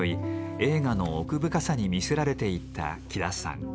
映画の奥深さに魅せられていった喜田さん。